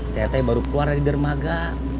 saya baru keluar dari dermaga